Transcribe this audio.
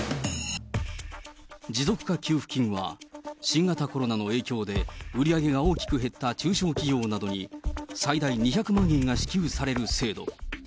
持続化給付金は、新型コロナの影響で売り上げが大きく減った中小企業などに、最大２００万円が支給される制度。